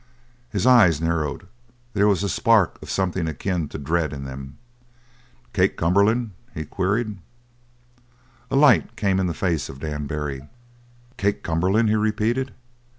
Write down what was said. His eyes narrowed; there was a spark of something akin to dread in them. "Kate Cumberland?" he queried. A light came in the face of Dan Barry. "Kate Cumberland?" he repeated.